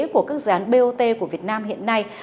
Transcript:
của các gián bot của việt nam hiện nay